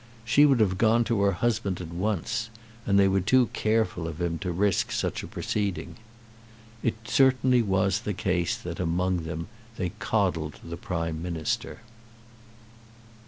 She would have gone to her husband at once; and they were too careful of him to risk such a proceeding. It certainly was the case that among them they coddled the Prime Minister.